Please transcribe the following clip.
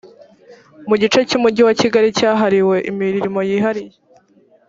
mu gice cy umujyi wa kigali cyahariwe imirimo yihariye